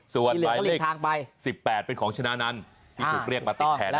ส่วนหมายเลข๑๘เป็นของชนะนันที่ถูกเรียกมาติดแทน